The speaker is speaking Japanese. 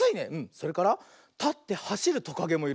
それからたってはしるトカゲもいるね。